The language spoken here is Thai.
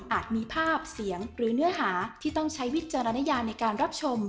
มีภาพเสียงหรือเนื้อหาที่ต้องใช้วิจารณญาในการรับชม